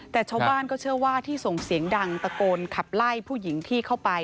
แต่ชาวบ้านก็เชื่อว่าที่ส่งเสียงดังตะโกนขับไล่ผู้หญิงที่เข้าไป